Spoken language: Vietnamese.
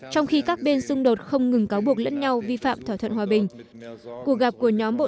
trong khi các bên xung đột không ngừng cáo buộc lẫn nhau vi phạm thỏa thuận hòa bình